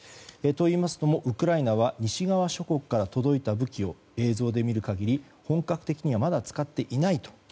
といいますのもウクライナは西側諸国から届いた武器を、映像で見る限り本格的にはまだ使っていないと。